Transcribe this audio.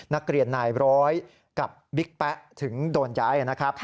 นักเรียนหน่ายร้อยกับบิ๊กแป๊ะถึงโดนย้าย